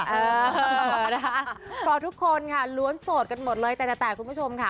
เออนะคะพอทุกคนค่ะล้วนโสดกันหมดเลยแต่คุณผู้ชมค่ะ